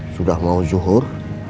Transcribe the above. sudah mau zuhur